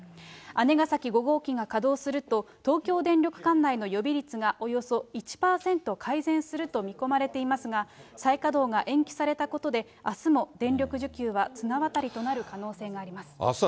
姉崎５号機が稼働すると、東京電力管内の予備率が、およそ１％改善すると見込まれていますが、再稼働が延期されたことで、あすも電力需給は綱渡りとなる可能性があります。